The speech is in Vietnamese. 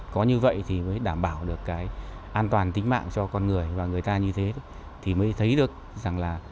có như vậy thì mới đảm bảo được cái an toàn tính mạng cho con người và người ta như thế thì mới thấy được rằng là